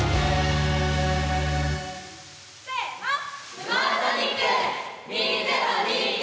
「ヌマーソニック２０２２」！